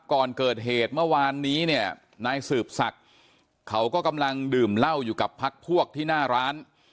ก่อนเกิดเหตุเมื่อวานนี้เนี่ยนายสืบศักดิ์เขาก็กำลังดื่มเหล้าอยู่กับพักพวกที่หน้าร้าน